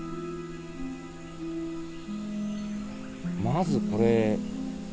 まずこれ。